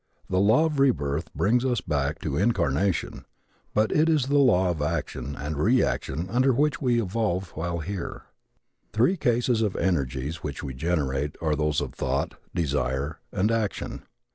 The law of rebirth brings us back to incarnation, but it is the law of action and reaction under which we evolve while here. The three classes of energies which we generate are those of thought, desire and action.